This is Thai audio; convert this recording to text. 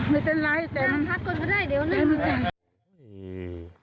ไม่เป็นไรแต่มันทักคนก็ได้เดี๋ยวนะ